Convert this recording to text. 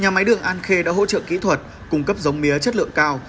nhà máy đường an khê đã hỗ trợ kỹ thuật cung cấp giống mía chất lượng cao